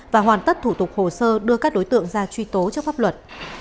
và hoàn tất thủ tục hồ sơ đưa các đối tượng ra truy tố trước pháp luật